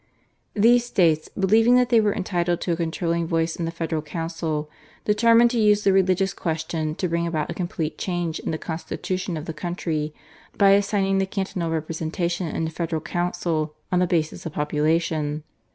These states, believing that they were entitled to a controlling voice in the federal council, determined to use the religious question to bring about a complete change in the constitution of the country by assigning the cantonal representation in the federal council on the basis of population.